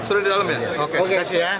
sudah di dalam ya